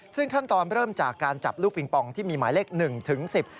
ซึ่งขั้นตอนเริ่มจากการจับลูกปิงปองที่มีหมายเลขหนึ่งถึงสิบ